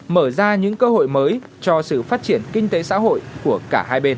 mở ra những cơ hội mới cho sự phát triển kinh tế xã hội của cả hai bên